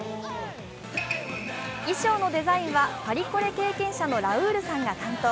衣装のデザインはパリコレ経験者のラウールさんが担当。